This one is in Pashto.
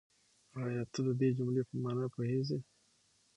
آيا ته د دې جملې په مانا پوهېږې؟